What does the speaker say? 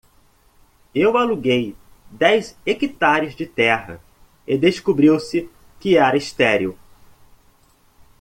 Eu aluguei dez hectares de terra e descobriu-se que era estéril.